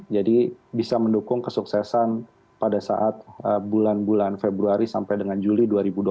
jadi bisa mendukung kesuksesan pada saat bulan bulan februari sampai dengan juli dua ribu dua puluh empat